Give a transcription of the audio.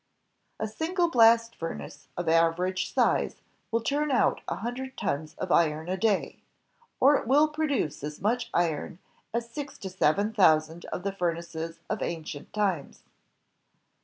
A single blast furnace of aver age size will turn out a hundred tons of iron a day, or it will produce as much iron as six to seven thousand of the furnaces of ancient times.